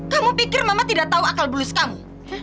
kamu pikir mama tidak tahu akal bulus kamu